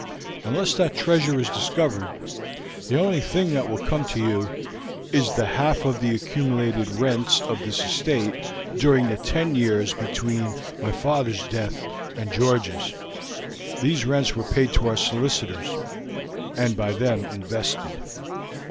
Unless that treasure is discovered, the only thing that will come to you is the half of the accumulated rents of this estate during the ten years between my father's death and George's; these rents were paid to our solicitors, and by them invested.